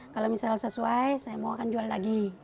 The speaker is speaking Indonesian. kalau misalnya sesuai saya mau akan jual lagi